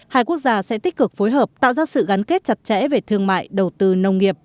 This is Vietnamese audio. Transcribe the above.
hai quốc gia sẽ tích cực phối hợp tạo ra sự gắn kết chặt chẽ về thương mại đầu tư nông nghiệp